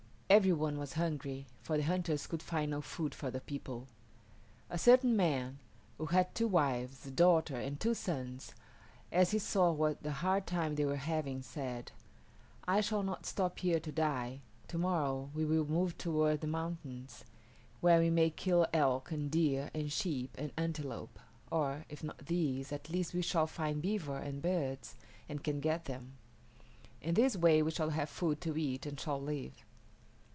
Every one was hungry, for the hunters could find no food for the people. A certain man, who had two wives, a daughter, and two sons, as he saw what a hard time they were having, said, "I shall not stop here to die. To morrow we will move toward the mountains, where we may kill elk and deer and sheep and antelope, or, if not these, at least we shall find beaver and birds, and can get them. In this way we shall have food to eat and shall live."